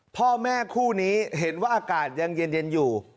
พ่อแม่คู่นี้เห็นว่าอากาศยังเย็นอยู่